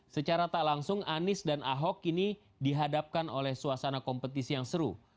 secara tak langsung anis dan ahok kini dihadapkan oleh suasana kompetisi yang seru